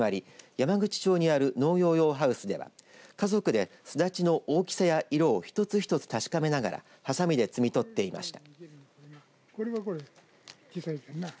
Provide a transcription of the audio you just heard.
山口町にある農業用ハウスでは家族で、すだちの大きさや色を一つ一つ確かめながらはさみで摘み取っていました。